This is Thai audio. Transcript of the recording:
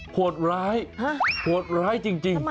โหดร้ายโหดร้ายจริง